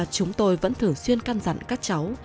chúng tôi vẫn thường xuyên can dặn các cháu